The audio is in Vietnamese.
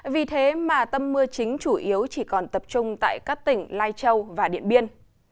vì thế mà tâm mưa chính chủ yếu chỉ còn tập trung tại các tỉnh lai châu và điện biên